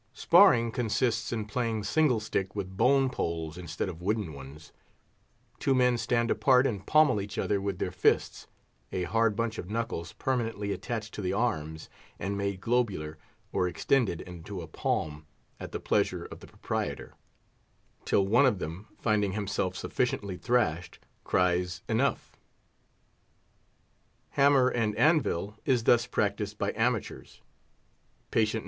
Sparring consists in playing single stick with bone poles instead of wooden ones. Two men stand apart, and pommel each other with their fists (a hard bunch of knuckles permanently attached to the arms, and made globular, or extended into a palm, at the pleasure of the proprietor), till one of them, finding himself sufficiently thrashed, cries enough. Hammer and anvil is thus practised by amateurs: Patient No.